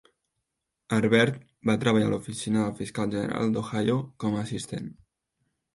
Herbert va treballar a l'oficina del Fiscal General d'Ohio com a assistent.